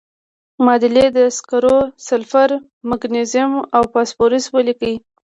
معادلې د سکرو، سلفر، مګنیزیم او فاسفورس ولیکئ.